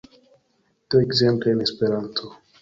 Do ekzemple en Esperanto